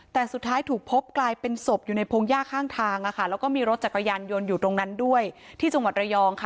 แต่สุดท้ายถูกพบกลายเป็นศพอยู่ในพงหญ้าข้างทางแล้วก็มีรถจักรยานยนต์อยู่ตรงนั้นด้วยที่จังหวัดระยองค่ะ